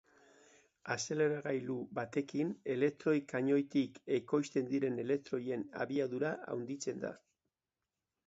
Azeleragailu batekin, elektroi-kanoitik ekoizten diren elektroien abiadura handitzen da.